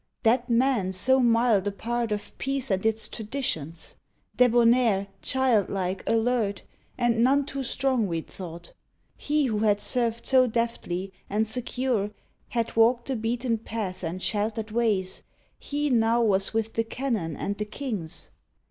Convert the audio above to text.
That man so mild a part Of peace and its traditions ! Debonnair, Childlike, alert, and none too strong, we d thought. He who had served so deftly, and, secure, Had walked the beaten path and sheltered ways He now was with the cannon and the kings